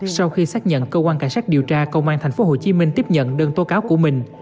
sau khi xác nhận cơ quan cảnh sát điều tra công an tp hcm tiếp nhận đơn tố cáo của mình